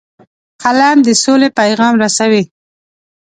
قلم د سولې پیغام رسوي